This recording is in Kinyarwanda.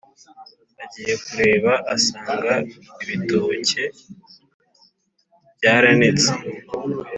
agiye kureba, asanga ibitoke byaranetse,